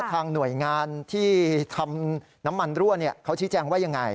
ทางหน่วยงานที่ทำน้ำมันรั่วเขาชี้แจงว่ายังไง